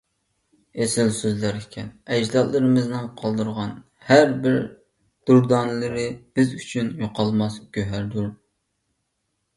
ئېسىل سۆزلەر ئىكەن، ئەجدادلىرىمىزنىڭ قالدۇرغان ھەر بىر دۇردانىلىرى بىز ئۈچۈن يوقالماس گۆھەردۇر.